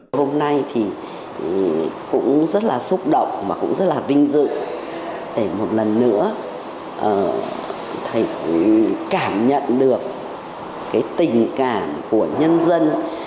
hôm nay thì cũng rất là xúc động và cũng rất là vinh dự để một lần nữa thầy cảm nhận được tình cảm của nhân dân